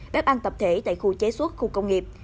bếp ăn tập thể tại khu chế suất khu công nghiệp